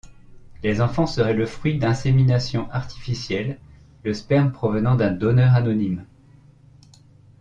Les enfants seraient le fruit d'inséminations artificielles, le sperme provenant d'un donneur anonyme.